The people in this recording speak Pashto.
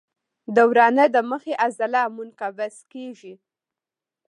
د ورانه د مخې عضله منقبض کېږي.